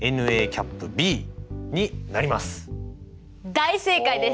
大正解です！